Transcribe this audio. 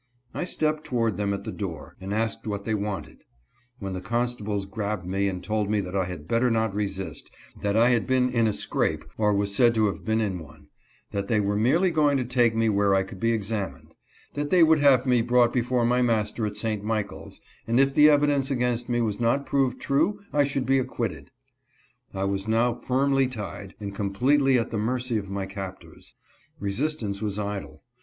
I stepped toward them at the door, and asked what they wanted ; when the constables grabbed me, and told me that I had better not resist ; that I had been in a scrape, or was said to have been in one ; that they were merely going to take me where I could be examined ; that they would have me brought before my master at St. Michaels, and if the evidence against me was not proved true I should be acquitted. I was now firmly tied, and completely at the mercy of my captors. Resistance was idle.